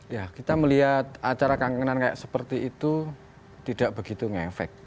ya kita melihat acara kangenan kayak seperti itu tidak begitu ngefek